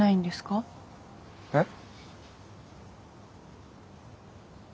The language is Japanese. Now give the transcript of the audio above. えっ？